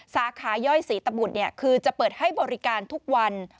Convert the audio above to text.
สายขาย่อยศรีตบุตรคือจะเปิดให้บริการทุกวัน